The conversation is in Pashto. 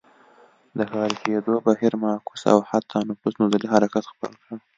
د ښاري کېدو بهیر معکوس او حتی نفوس نزولي حرکت خپل کړ.